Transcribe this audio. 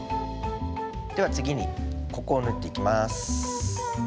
では次にここを縫っていきます。